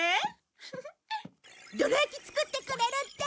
どら焼き作ってくれるって！